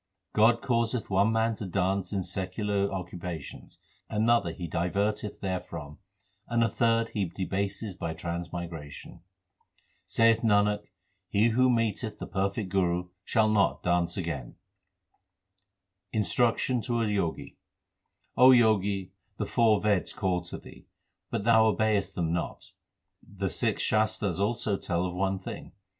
God causeth one man to dance in secular occupations, another He diverteth therefrom, and a third He debaseth by transmigration. Saith Nanak, he who meeteth the perfect Guru shall not dance again. Instruction to a Jogi : O Jogi, the four Veds call to thee, but thou obeyest them not ; The six Shastars also tell of one thing.